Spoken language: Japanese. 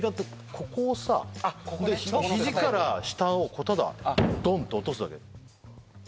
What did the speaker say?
ここをさ肘から下をただドンッて落とすだけ。